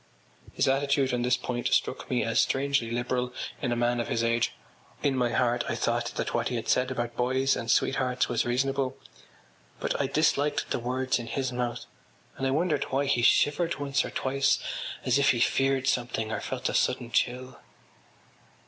” His attitude on this point struck me as strangely liberal in a man of his age. In my heart I thought that what he said about boys and sweethearts was reasonable. But I disliked the words in his mouth and I wondered why he shivered once or twice as if he feared something or felt a sudden chill.